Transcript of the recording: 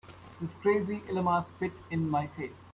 This crazy llama spit in my face.